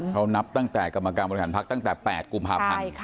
เขานับตั้งแต่กรรมการบริหารพักตั้งแต่๘กุมภาพันธ์